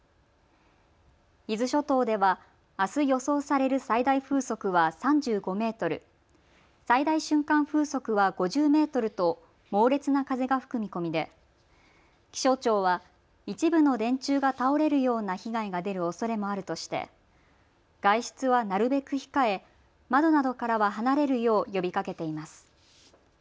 伊豆諸島ではあす予想される最大風速は３５メートル、最大瞬間風速は５０メートルと猛烈な風が吹く見込みで気象庁は一部の電柱が倒れるような被害が出るおそれもあるとして外出はなるべく控え、窓などからは離れるよう呼びかけています。